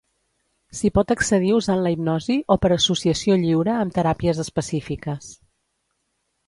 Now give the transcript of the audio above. S'hi pot accedir usant la hipnosi o per associació lliure amb teràpies específiques.